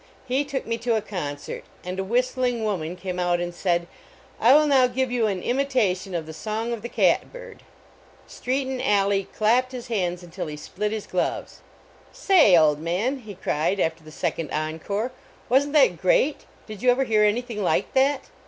He took me to a concert, and a whistling woman came out and said : I will now give you an imitation of the Song of the cat bird." Strcaton Alleigh clapped his hands until he split his glove ." Say! old man," he cried after the sec ond encore, "wasn t that great? Did you ever hear anything like that?"